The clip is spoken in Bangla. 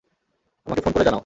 আমাকে ফোন করে জানাও।